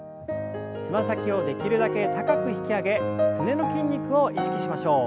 つま先をできるだけ高く引き上げすねの筋肉を意識しましょう。